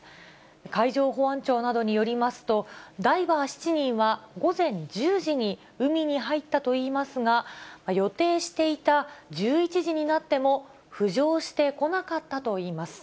海上保安庁などによりますと、ダイバー７人は午前１０時に海に入ったといいますが、予定していた１１時になっても浮上してこなかったといいます。